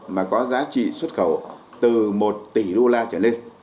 mà có giá trị xuất khẩu từ một tỷ đô la trở lên